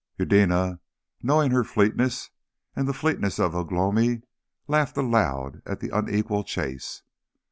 Eudena, knowing her fleetness and the fleetness of Ugh lomi, laughed aloud at the unequal chase.